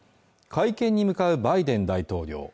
会見に向かうバイデン大統領